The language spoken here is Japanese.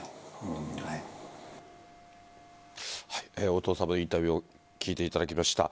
お父さまのインタビューを聞いていただきました。